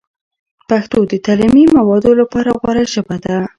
پښتو د تعلیمي موادو لپاره غوره ژبه ده.